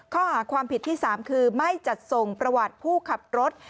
ข้อหาความผิดที่๓คือไม่จัดส่งประวัติผู้ขับรถ